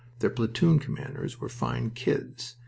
Their platoon commanders were fine kids!